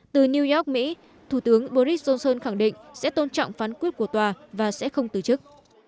từ new york mỹ thủ tướng boris johnson khẳng định sẽ tôn trọng phán quyết của tòa và sẽ không từ chức